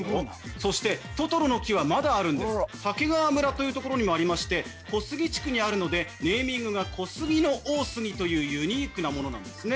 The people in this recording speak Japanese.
そしてトトロの木はまだあるんです鮭川村というところにもありまして小杉地区にあるのでネーミングが「小杉の大杉」というユニークなものなんですね